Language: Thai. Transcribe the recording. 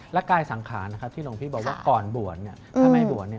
และกายสังขารที่หลวงพี่บอกว่าก่อนบวชถ้าไม่บวช